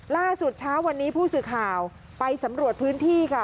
ล่าสุดเช้าวันนี้ผู้สื่อข่าวไปสำรวจพื้นที่ค่ะ